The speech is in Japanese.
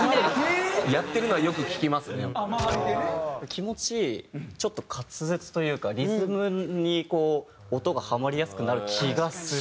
気持ちちょっと滑舌というかリズムにこう音がはまりやすくなる気がする。